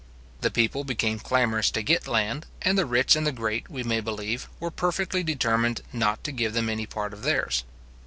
The people became clamorous to get land, and the rich and the great, we may believe, were perfectly determined not to give them any part of theirs.